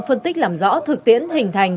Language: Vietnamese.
phân tích làm rõ thực tiễn hình thành